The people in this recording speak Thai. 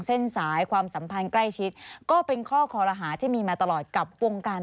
สนุนโดยน้ำดื่มสิง